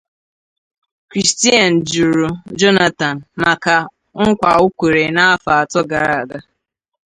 Christiane jụrụ Jonathan maka nkwa o kwere n’afọ atọ gara aga